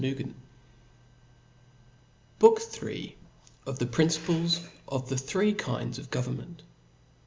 vj BOOK IIL Of the Principles of the three kinds of Government.